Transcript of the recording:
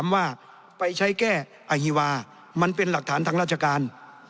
ว่าไปใช้แก้อฮีวามันเป็นหลักฐานทางราชการ